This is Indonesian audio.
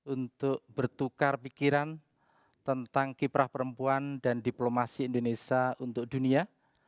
untuk bertukar pikiran tentang kiprah perempuan dan diplomasi indonesia untuk dunia